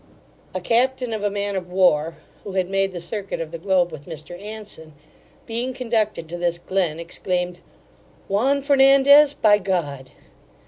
A captain of a man of war, who had made the circuit of the globe with Mr Anson, being conducted to this glen, exclaimed, 'Juan Fernandez, by God!